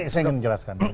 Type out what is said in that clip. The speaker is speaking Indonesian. saya ingin menjelaskan